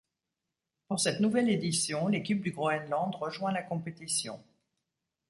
Pour cette nouvelle édition l'équipe du Groenland rejoint la compétition.